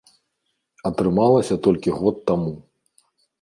Атрымалася толькі год таму.